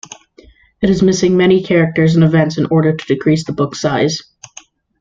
It is missing many characters and events in order to decrease the book's size.